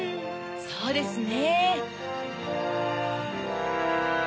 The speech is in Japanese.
そうですね。